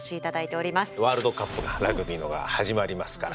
ワールドカップがラグビーのが始まりますから。